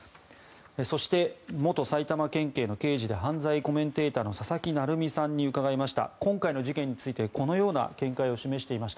そして元埼玉県警の刑事で犯罪コメンテーターの佐々木成三さんに伺いました。